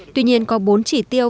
tuy nhiên có bốn chỉ tiêu